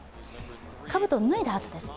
かぶとを脱いだあとです。